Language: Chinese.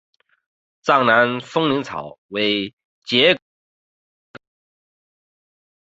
藏南风铃草为桔梗科风铃草属的植物。